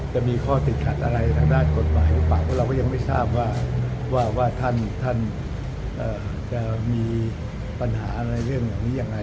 จะมีข้อติดขัดอะไรทางด้านกฎหมายหรือเปล่าเพราะเราก็ยังไม่ทราบว่าท่านจะมีปัญหาอะไรเรื่องเหล่านี้ยังไง